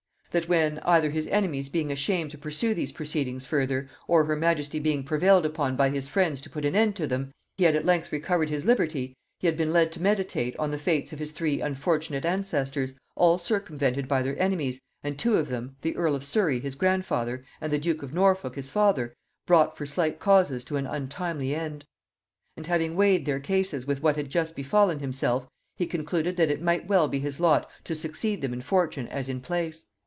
That when, either his enemies being ashamed to pursue these proceedings further, or her majesty being prevailed upon by his friends to put an end to them, he had at length recovered his liberty, he had been led to meditate on the fates of his three unfortunate ancestors, all circumvented by their enemies, and two of them (the earl of Surry his grandfather and the duke of Norfolk his father) brought for slight causes to an untimely end. And having weighed their cases with what had just befallen himself, he concluded that it might well be his lot to succeed them in fortune as in place.